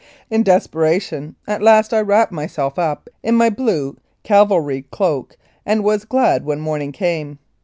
In desperation, at last I wrapped myself up in my blue cavalry cloak, and was glad when the morning came.